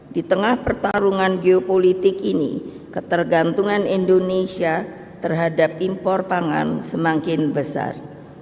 di tengah pertarungan geopolitik ini ketergantungan indonesia terhadap impor pangan semakin besar